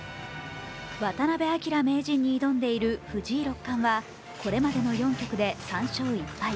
渡辺明名人に挑んでいる藤井六冠はこれまでの４局で３勝１敗。